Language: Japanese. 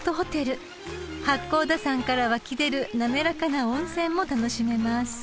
［八甲田山から湧き出る滑らかな温泉も楽しめます］